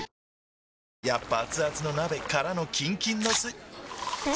やっぱアツアツの鍋からのキンキンのスん？